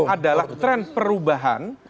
adalah trend perubahan